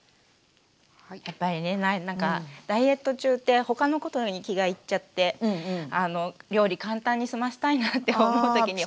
やっぱりねダイエット中って他のことに気がいっちゃって料理簡単に済ましたいなって思う時に。